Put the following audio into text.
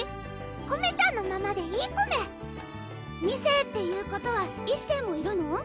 コメちゃんのままでいいコメ二世っていうことは一世もいるの？